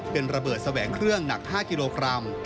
เป็นระเบิดแสวงเครื่องหนัก๕กิโลกรัม